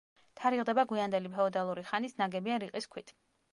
თარიღდება გვიანდელი ფეოდალური ხანით, ნაგებია რიყის ქვით.